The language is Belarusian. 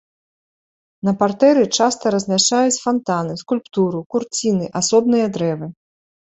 На партэры часта размяшчаюць фантаны, скульптуру, курціны, асобныя дрэвы.